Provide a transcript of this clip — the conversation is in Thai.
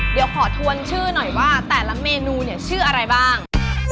เดี๋ยวขอทวนชื่อหน่อยว่าแต่ละเมนูเนี่ยชื่ออะไรบ้าง